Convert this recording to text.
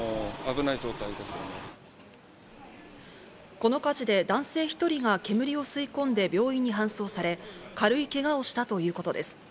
この火事で男性１人が煙を吸い込んで病院に搬送され、軽いけがをしたということです。